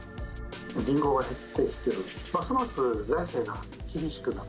人口が減ってきてる、ますます財政が厳しくなる。